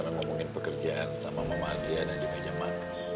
kamu karena ngomongin pekerjaan sama mama adria dan adika jamal